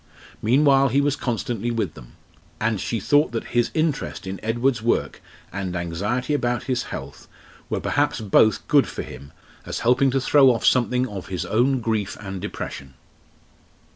Meanwhile he was constantly with them; and she thought that his interest in Edward's work and anxiety about his health were perhaps both good for him as helping to throw off something of his own grief and depression.